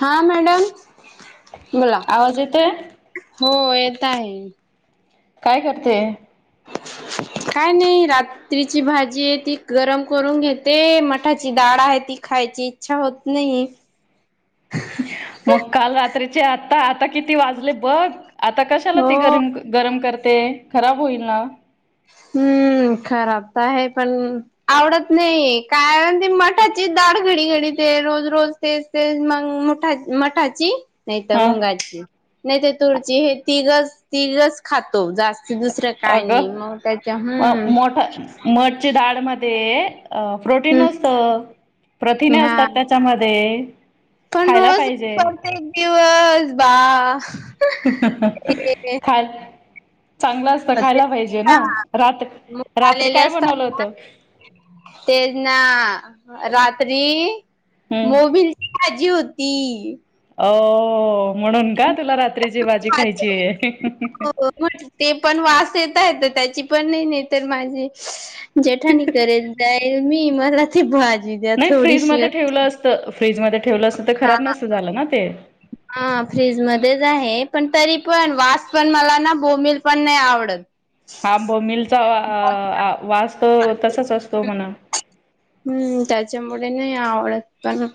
हा, मॅडम बोला आवाज येतोय? हो, येत आहे. काय करते? [unintelligible] काय नाही, रात कत्रीची भाजी आहे ती गरम करून घेते, मठाची डाळ आहे, ती खायची इच्छा होत नाही. मग काल रात्रीचे आता, आता किती वाजले बघ, आता कशाला ती हो. गरीम गरम करते, खराब होईल ना? हम्म, खराब तर आहे, पण - आवडत नाही. कारण ती मठाची डाळ घडी घडी ते, रोज रोज तेच तेच मग, मुठा मठाची नाही तर हा मुंगाची, नाही त तुळची हे तीघच. तीघच खातो जास्त ते दुसरं काय नई अगं म म मोठं मठची डाळमध्ये अ प्रोटीन हम्म असतं. प्रथिने हा असतात त्याच्यामध्ये. पण, खायला रोज पाहिजे परतेक दिवस बा खाल चांगलं असतं. ते खायला पाहिजे ना? रात- रात्री काय बनवलं होत? ते ना, रात्री हम्म. मोबील भाजी होती. ओ, म्हणून का तुला रात्रीची भाजी खायची आहे? हो, हो ते पण वास येत आहे त्याची पण नाही. नाही तर माझी जेठाणी करेल जाईल मी. मला ती भाजी द्या थोडीशी त फ्रीज मध्ये ठेवलं असतं, त हा खराब नसतं झालं ना ते हा फ्रीज मध्येच आहे. पण तरी पण वास पण मला ना, बोंबील पण नाही आवडत. हां, बोंबीलचा आ -वास तो, तसाच असतो म्हणा. हम्म, त्याच्यामुळे नाही आवडत. पण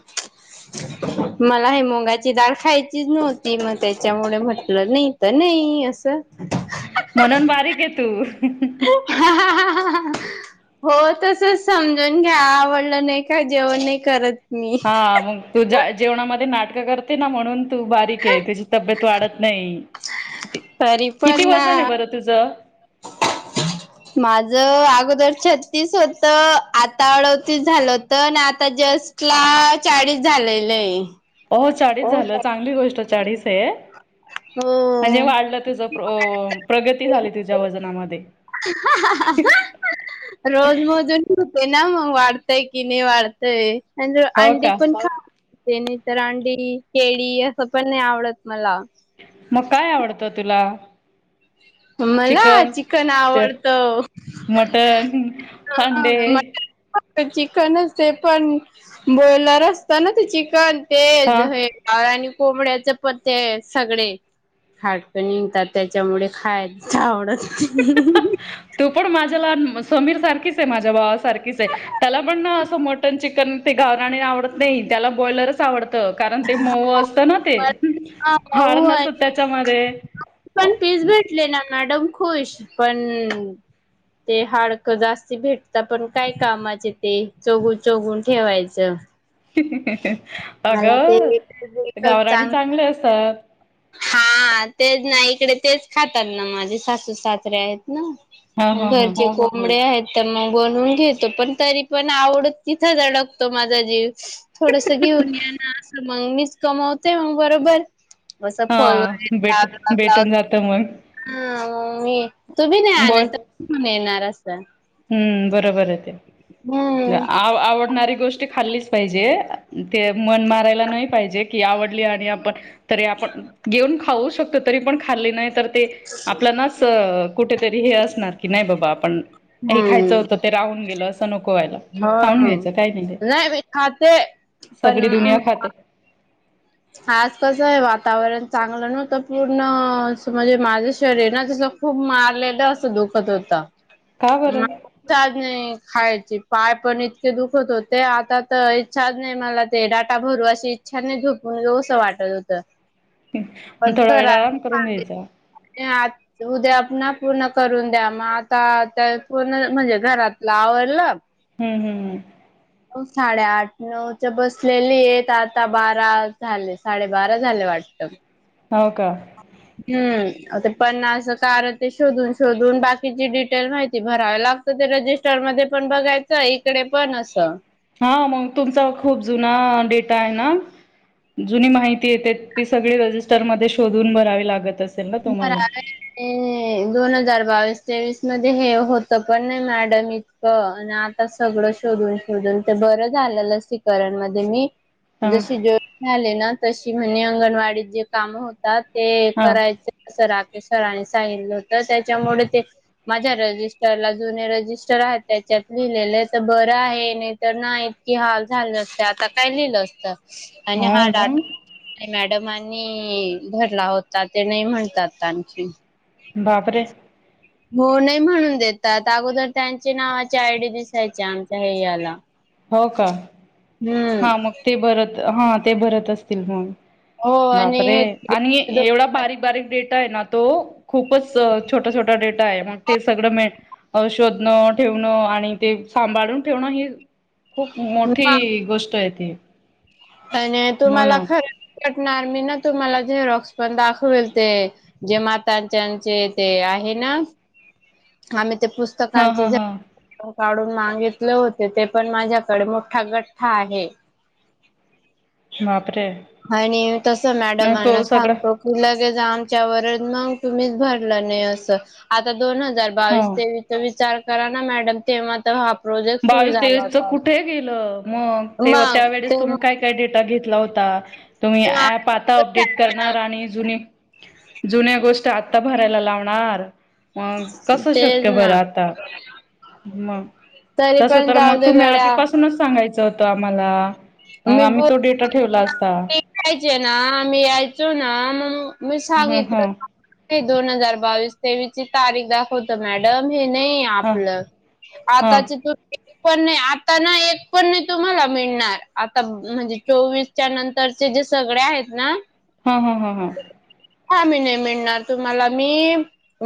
मला हे मुंगाची डाळ खायचीच नव्हती, म त्याच्यामुळे म्हटलं नाही तर नाही, असं म्हणून बारीक ये तू हो तसच समजून घ्या,. आवडलं नाही, का जेवण नाही करत. मी हा, मग तू जेवणामध्ये नाटकं करते ना, म्हणून तू बारी ठीक है, तुझी तब्येत वाढत नाही. तरी किती पण ना वजन आहे बरं तुझं? माझं, अगोदर छत्तीस होतं. आता अडोतीस झालं होतं, आणि आता जस्ट ला चाळीस झालेलय. अ हो, चाळीस झालं चांगली गोष्ट चाळीस आहे. म्हणजे हो वाढलं तुझं - प्रगती झाली तुझ्या वजनामध्ये. [inaudible] रोज मोजून होते ना मग, वाढतय कि नाही वाढतय? आणि हो अंडी का पण खात नाही तरर अंडी केळी असं पण नाही आवडत मला. मग काय आवडतं तुला? मला? चिकन आवडत मटण, अंडे मट- फक्त चिकनच. ते पण बॉईलर असत ना ते चिकन. तेज हा. हेै. आणि कोंबड्याच पण ते सगळे, खाटक निघतात त्याच्यामुळे. खायच आवडत तू पण माझ्या लहान समीर सारखीच आहे. माझ्या भावा सारखीच आहे. त्याला पण ना, असं मटन चिकन ते गावराणे आवडत नाही त्याला ब्रॉयलरच- आवडत. कारण ते मऊ असत ना ते? हा हाड मऊ नसत आणि त्याच्यामध्ये. पण पीस भेटले ना मॅडम खुश. पण- ते हाडकं जास्ती भेटतात. पण काय कामाचे ते? चोगू चोगून ठेवायचं. मला ते अगं, एकच गावराणी चांगलं चांगले असतात. हा तेच ना. इकडे तेच खातात ना माझे सासू सासरे आहेत ना. हा हा हा. घरचे कोंबडे आहेत. तर मग बनवून घेतो. पण तरी पण आवडत तिथं अ डकतो माझा जीव. थोडस घेऊन या ना असं. मग मीच कमवतेय मग बरोबर असं हा फल वगैरे भेटू भेटून जात मग हा मी तुम्ही नाही आणणार बोल तर कोण येणार असं हम्म बरोबर आहे ते हम्म आवडणारी गोष्ट खाल्लीच पाहिजे मन मारायला नाही पाहिजे की आवडली आणि आपण तरी आपण घेऊन खाऊ शकतो तरी पण खाल्ली नाही तर ते आपल्यालाच कुठेतरी हे असणार की नाही बाबा आपण हे खायचं होतं ते राहून गेलं असं नको व्हायला. हा खाऊन ना घ्यायचं काही नाही मी खाते पण, ते आज कसं आहे. वातावरण चांगलं नव्हतं पूर्ण म्हणजे माझं शरीर ना जस खूप मारलेल असं दुखत होत. का बरं, इच्छा च नाही खायची पाय पण इतके दुखत होते. आता तर इच्छाच नाही मला, ते डाटा भरू अशी इच्छा नाही झोपून जावं अस वाटत होत. थोडा वेळ आराम करून घ्यायचा. ह उद्या पुण पूर्ण करून द्या मग आता पूर्ण म्हणजे घरातलं आवरल. हम्म हम् हम् हो, साडेआठ नऊच बसलेली आहेत. आता बारा झाले साडेबारा झाले वाटत हो का, हम्म ते पन्नास कार ते शोधून शोधून बाकीची डिटेल माहिती भरावे लागत. ते रजिस्टर मध्ये पण बघायचं इकडे पण असं हा मग तुमचा खूप जुना डेटा आहे ना. जुनी माहिती येते ती सगळी रजिस्टर मध्ये शोधून भरावी लागतच. त खरा [inaudible] दोन हजार बावीस तेवीस मध्ये हे होत पण नाही मॅडम इतक सगळं शोधून शोधून ते बरं झालेलं लसीकरण मध्ये मी हा जशी जून झाले ना तशी म्हणणे अंगणवाडीत जे काम होतात ते हा करायचे. असं राकेश सराने सांगितलं होत त्याच्यामुळे ते माझ्या रजिस्टरला जुने रजिस्टर आहेत त्याच्यात लिहिलेले तर बरं आहे. तर नाही इतकी हाल झालं असते आता काय लिहिलं असतं. आणि हा डाटा मॅडमनी भरला होता ते नाही म्हण तात. बाप रे हो नाही, म्हणून देतात अगोदर त्यांची नावाची आयडी दिसायची आमच्या हे याला हो का हम्म हा मग ते भरत हा ते भरत असतील मग हो आणि बापरे हे आणि एवढा बारीक बारीक डेटा आहे ना तो. खूपच छोटा छोटा डेटा आहे मग ते सगळं मिळ ण शोधण ठेवणं आणि ते सांभाळून ठेवणं ही खूप मोठी गोष्ट आहे. आणि हो तुम्हाला ना खरंच पटणार मी ना तुम्हाला झेरॉक्स पण दाखवेल ते जे मातांच्याचे ते आहे ना आम्ही ते पुस हा तकांचे हा जे हा काढून मागितले होते ते पण माझ्याकडे मोठा गठ्ठा आहे. बापरे आणि तस मग तो मॅडमांना सगळा सांगतो. लगेच आमच्यावरच मग तुम्हीच भरलं नाही अस आता दोन हजार हो बावीस तेवीसचा विचार करा ना मॅडम तेव्हा तर हा प्रोजेक्ट सुरू बावीस झाला तेवीसच होता. कुठे गेलं मग तेव्हा त्या मग वेळेस तेव्हा तुम्ही काय काय डेटा घेतला होता. तुम्ही तेव्हा ऍप आता अपडेट करणार आणि जुनी जुन्या गोष्ट आता भरायला लावणार. मग आम्ही कसं तेच शक्य ना बरं आता मग तरी तस पण तर जाऊ मग दे तुम्ही आधी गड्या पासू न सांगायचं होतं आम्हाला मग आम्ही तो डेटा ठेवला असता. याचे ना मी यायचो ना मग मी ह ह सांगितलं [unintelligible] दोन हजार बावीस ह आपलं ह आताची तू एक पण नाही आता ना एक पण नाही तुम्हाला मिळणार. आता म्हणजे चोवीस च्या नंतरचे जे सगळे आहेत ना हा, हा, हा, हा काम ही नाही मिळणार तुम्हाला मी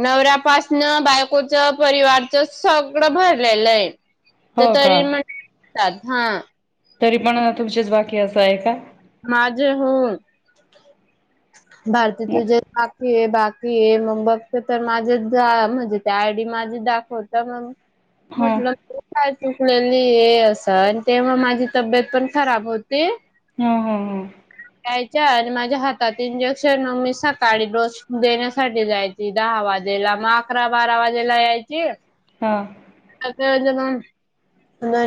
नवऱ्यापासन बायकोच परिवारच सगळं भरलेलं आहे. तर हो का तरी म्हणतात हा. तरी पण तुमचेच बाकी असं आहे का? माझे हून भारती तुजे बाकी हे बाकी हे मग बघते तर माझ्या म्हणजे त्या आय. डी माझी दाखवत मग ह म्हटलं काय शिकलेली ये असं आणि तेव्हा माझी तब्येत पण खराब होती. हुं, हुं, हुं. यायच्या आणि माझ्या हातात इंजेक्शन मी सकाळी डोस देण्यासाठी जाय ची दहा वाजेला मग अकरा बारा वाजेला यायची हा. [unintelligible]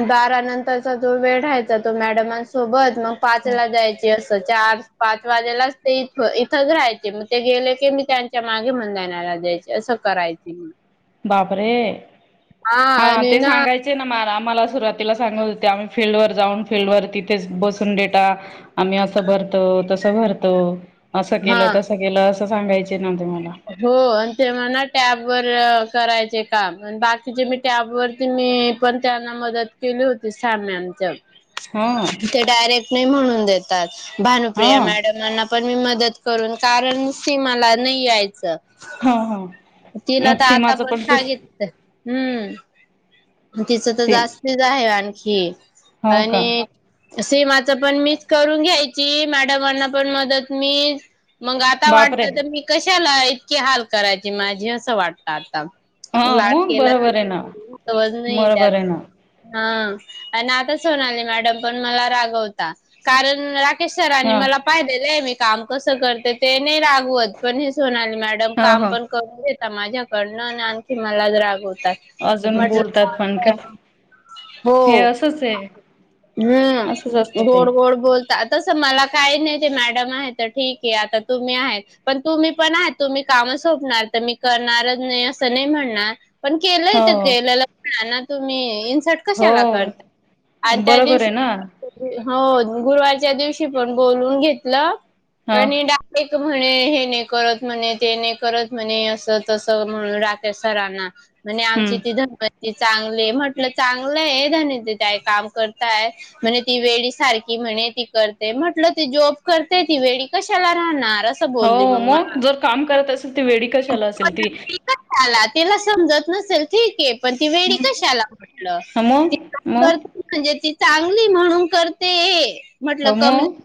बारा नंतरचा तो वेळ राहायचा तो मॅडमांसोबत मग पाच ह ला जायची अस चार पाच वाजेलाच ते इथ इथच राहायचे म ते गेले की मी त्यां च्या मागे [unintelligible] दानाला द्यायचे असं करायची मी बापरे हा आणि ते ना सांगाय चे न मला आम्हाला सुरुवातीला सांगत होते आम्ही फील्डवर जाऊन फील्डवर तिथेच बसून डेटा आम्ही असं भरतो तसं भरतो असं हा केलं तसं केलं असं सांगायचे ना ते मला. हो आणि तेव्हा ना टॅबवर करायचे काम आण बाकीचे मी टॅबवर परत मी पण त्यांना मदत केली होती साम्याच्या हा. ते डायरेक्ट नाही म्हणून देतात हा भानुप्रिया मॅडमांना पण मी मदत करून कारण सि मला नाही यायचं. हा हा तिला मग त आता सीमाचं पण तू का घेत हम, तिचं तर सीम जास्तीच आहे आणखी. हो का आणि‌ सिमाचं पण मीच करून घ्यायची मॅडमांना पण मदत मी मग आता बापरे वाटत तर मी कशाला इतके हाल करायची माझी असं वाटतं आता. हा मग लाडकेला बरोबर आहे ना [unintelligible] नाही बरोबर आहे त्यात ना हा आण आताच सोनाली मॅडम पण मला रागवता कारण रा त्री सरानी हा मला पाहिलेलं आहे मी काम कसं करते ते नाही रागवत पण हे सोनाली मॅडम हा काम हा पण करून घेता माझ्याकडनं आण आणखी मलाच रागवतात. अजून माझं बोलतात पण काम हे का ना. हे हो असंच आहे हम् असंच असतं ते गोड गोड बोलतात तस मला काय नाही ते मॅडम आहे तर ठीक हे आता तुम्ही आहेत पण तुम्ही पण आ तुम्ही काम सोपणार तर मी करणारच नाही असं नाही म्हणणार पण केलंय हो ते केलेलं म्हणा ना तुम्ही इन्सर्ट हो कशाला करता आणि त्या बरोबर आहे दिवशी ना हो गुरुवारच्या दिवशी पण बोलून घेतलं हो आणि डा एक म्हणे हे नाही करत म्हणे ते नाही करत म्हणे असं तस म्हणून राकेश सरांना. म्हणे आमची हम्म ती धनवती चांगली म्हटलं चांगलंय धनीवताई काम करताय म्हणे ती वेळी सारखी म्हणे ती करते म्हटलं ती जॉब करते ती वेळी कशाला राहणार. असं हो बोलली मला मग जर काम करत असेल त वेडी कशाला असेल पण ती. वेडी कशाला तिला समजत नसेल ठीक आहे. पण ती वेडी कशाला म्हटलं. ह मग मग म्हणजे ती चांगली म्हणून करते ये म्हटलं हो कमी मग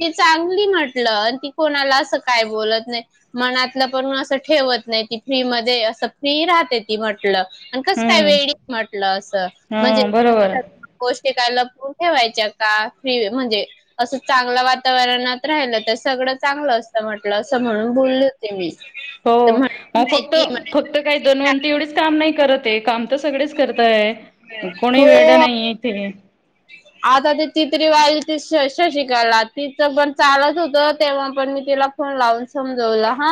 ती चांगली म्हटलं आणि ती कोणाला असं काय बोलत नाही. मनातलं पण असं ठेवत नाही ती फ्री मध्ये असं फ्री राहते ती म्हटलं. आणि कस काय हम्म वेडी म्हटलं असं हा म्हणजे. बरोबर गोष्टी काय लपवून ठेवायच्या का फ्री म्हणजे असं चांगलं वातावरणात राहिलं तर सगळं चांगलं असतं म्हटलं असं म्हणून बोल त्यावेळेस हो मग फक्त फक्त काय धनंवति एवढीच काम नाही करत काम तर सगळेच करताय कोणी हो वेड नाही इथे. आता ते तित्री वालीती शशिकला तिचं पण चालत होत तेव्हा पण मी तिला‌ फोन लावून समजवला हा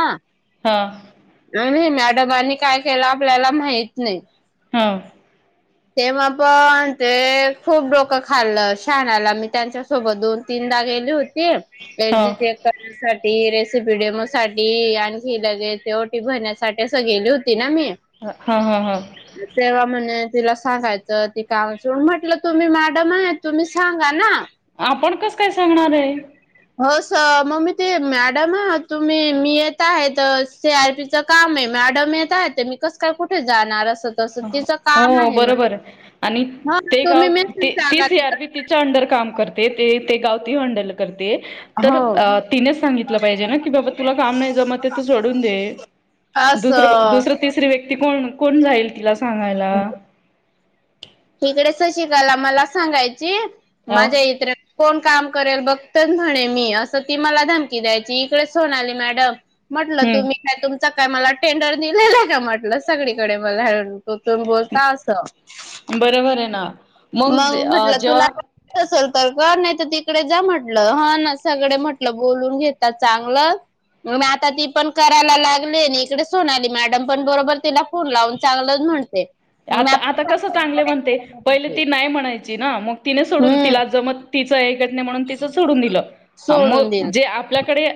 हां. नाही नाही मॅडमनी काय केलं आपल्याला माहत नाही. ह. तेव्हा पण ते खूप डोकं खाल्लं शहाणाला मी त्यांच्यासोबत दोन, तीनदा गेली होती‌ हा करण्या रेसिपीडीम साठी आणखी लगेच ओटी भरण्यासाठी. तस गेली होती ना मी. हा हा हा. तेव्हा म्हणे तिला सांगायचं ती कामची म्हटलं. तुम्ही मॅडम आहे तुम्ही सांगा ना. आपण कस काय सांगणार आहे. हो स मग मी ते मॅडम तुम्ही मी येत आहेत सि, आर, पी, काम आहे मॅडम येत आहे मी कस काय कुठे जाणार असं. तसं तिचं काम हो आहे बरोबर म्हणून. आहे आणि हा ते गाव तुम्ही मेसेज ती टाका सि, आर, पी च्या अंडर काम करते ते ते गावती हँडल करते. तर हो तिनेच सांगितलं पाहिजे ना की बाबा तुला काम नाही जम ते तू सोडून दे दुसरं असस. दुसरं तिसरी व्यक्ती कोण कोण जाईल तिला सांगायला. तिकडे शशिकला मला सांगायची अ माझ्या इत्रां कोण काम करेल बघतच म्हणे मी असं ती मला धमकी द्यायची इकडे सोनाली मॅडम म्हटलं हम्म तुम्ही काय तुमच काय मला टेंडर दिलेला आहे का म्हटलं सगळीकडे मला टोचुन बोलता अस बरोबर आहे ना मग जेव्हा असल तर का नाही तर तिकडे जा म्हटलं हा ना सगळे म्हटलं बोलून घेतात चांगलं मग आता ती पण करायला लागली ना इकडे सोनाली मॅडम पण बरोबर तिला फोन लावून चांगलंच म्हणते. आता आता कसं चांगले म्हणते पहिले ती नाही म्हणायची ना मग तिने सोडून हम्म तिला जमत ती म्हणून सोडून दिल सोडून मग दिलं जे आपल्याकडे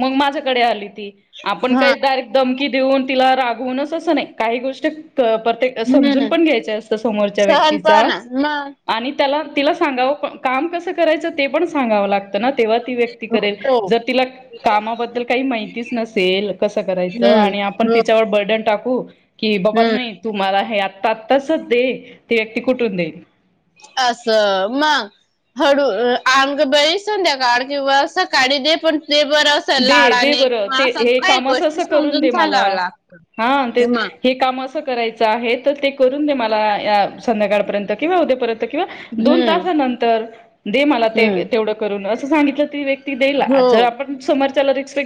मग माझ्याकडे आली ती आपण हा काहीच डायरेक्ट धमकी देऊन तिला रागवूनच असं नाही काही गोष्टी प्रत्येक समजून हम्म पण घ्यायच असतं समोरच्या व्यक्तीचा सहनपणा मग आणि त्याला तिला सांगावं काम कसं करायचं ते पण सांगावं लागत. ना तेव्हा ती व्यक्ती करेल हो जर तिला कामाबद्दल काही माहितीच नसेल कसं करायचं हम्म आणि आपण हो तिच्यावर बर्डन टाकू की बाबा हम्म नाही तू मला हे आ. तसच दे ती व्यक्ती कुठून देईल. असं मग हळू आमग बरीचध्या का किंवा असा काढ दे पण ते बर. दे दे बरं ते हे काम असं अस करून समजून दे मला सांगाव लाग हा ते मग हे काम असं करायचं आहे तर ते करून दे मला या संध्याकाळपर्यंत किंवा उद्यापर्यंत किंवा दोन हम्म तानंतर दे मला ते हम्म तेवढं करून अस सांगितलं त ला हो आपण समोरच्याला रिस्पेक्ट